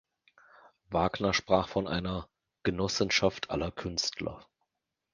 Wagner sprach von einer „Genossenschaft aller Künstler“.